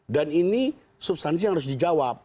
dan ini substansi yang harus dijawab